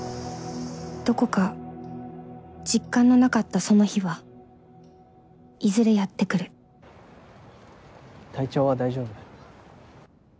どこか実感のなかったその日はいずれやってくる体調は大丈夫？